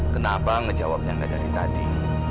kenapa ngejawabnya nggak dari tadi